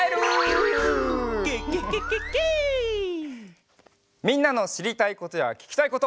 みんなのしりたいことやききたいことまってるね！